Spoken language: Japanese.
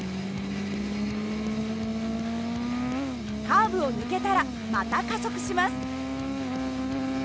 カーブを抜けたらまた加速します。